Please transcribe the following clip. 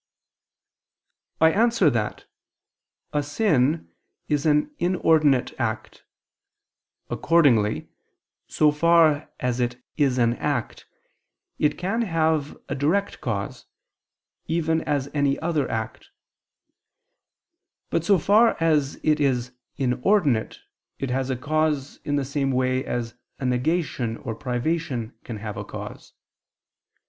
I answer that, A sin is an inordinate act. Accordingly, so far as it is an act, it can have a direct cause, even as any other act; but, so far as it is inordinate, it has a cause, in the same way as a negation or privation can have a cause.